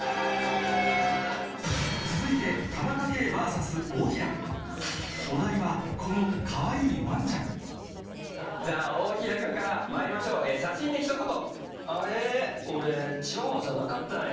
続いてお題はこのかわいいワンちゃんじゃあ大平君からまいりましょう写真でひと言！